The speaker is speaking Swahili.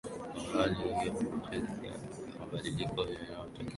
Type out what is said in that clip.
aa hali ya aa kuwafanya wananchi wapate mabadiliko wanayotaka